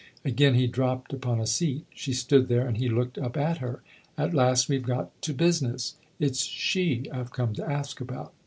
Again he dropped upon a seat ; she stood there and he looked up at her. "At last we've got to business ! It's she I've come to ask about."